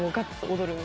踊る